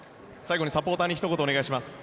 最後にサポーターにひと言お願いします。